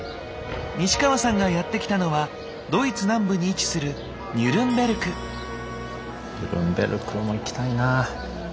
西川さんがやって来たのはドイツ南部に位置するニュルンベルクも行きたいな。